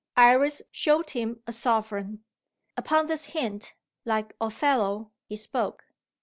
Iris showed him a sovereign. Upon this hint (like Othello) he spoke.